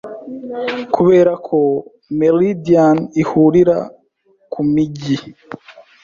Kuberako meridian ihurira kumijyi